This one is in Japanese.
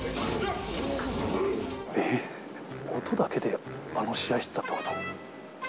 えっ、音だけであの試合してたってこと？